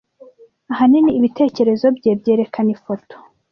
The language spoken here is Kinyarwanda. Ahanini ibitekerezo bye, byerekana ifoto